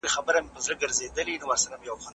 زه به اوږده موده لاس مينځلي وم!